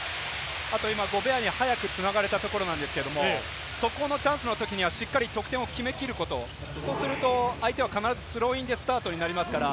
ゴベアに早く繋がれたところですけれども、そこのチャンスのときには、しっかり得点を決めきること、そうすると相手は必ずスローインでスタートになりますから。